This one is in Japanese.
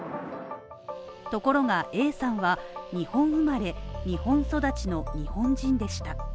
ところが、Ａさんは日本生まれ日本育ちの日本人でした。